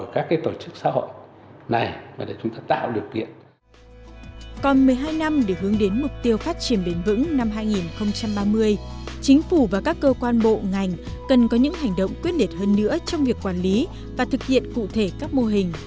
chính phủ và các cơ quan bộ ngành cần có những hành động quyết liệt hơn nữa trong việc quản lý và thực hiện cụ thể các mô hình